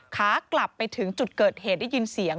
ขากลับไปถึงจุดเกิดเหตุได้ยินเสียง